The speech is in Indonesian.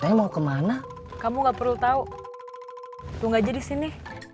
kamu mau kemana kamu gak perlu tau tunggu aja disini